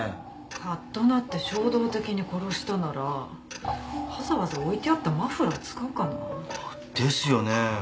カッとなって衝動的に殺したならわざわざ置いてあったマフラーを使うかな。ですよね。